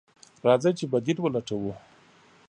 راځئ چې بديل ولټوو.